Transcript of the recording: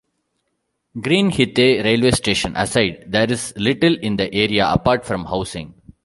Greenhithe railway station aside, there is little in the area apart from housing.